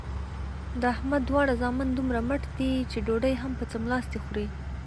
د احمد دواړه زامن دومره مټ دي چې ډوډۍ هم په څملاستې خوري.